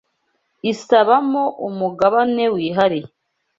isabamo umugabane wihariye